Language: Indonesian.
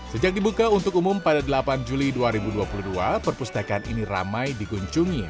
sejak dibuka untuk umum pada delapan juli dua ribu dua puluh dua perpustakaan ini ramai dikunjungi